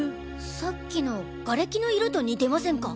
さっきのガレキの色と似てませんか？